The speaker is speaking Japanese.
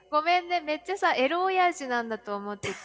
めっちゃさエロおやじなんだと思ってた。